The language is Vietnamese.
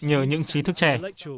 nhờ những trí thức trẻ